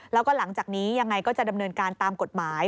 แล้วก็หลังจากนี้ยังไงก็จะดำเนินการตามกฎหมาย